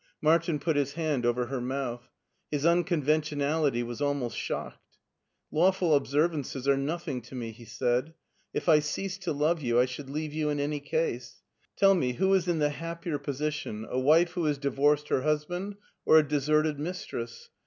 Martin put his hand over her mouth. His unconven tionality was almost shocked. Lawful observances are nothing to me," he said; " if I ceased to love you I should leave you in any case. Tell me, who is in the happier position, a wife who has divorced her husband, or a deserted mistress